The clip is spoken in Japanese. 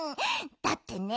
だってね